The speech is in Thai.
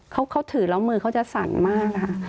เขาถือแล้วมือเขาจะสั่นมากค่ะ